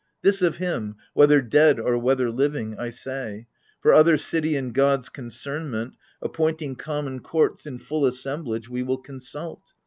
This of him, whether dead or whether living, I say. For other city and gods' concernment — Appointing common courts, in full assemblage We will consult.